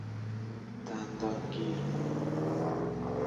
دندان گیر